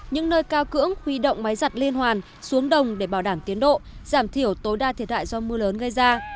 những nơi cao cưỡng huy động máy giặt liên hoàn xuống đồng để bảo đảm tiến độ giảm thiểu tối đa thiệt hại do mưa lớn gây ra